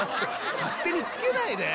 勝手に付けないで。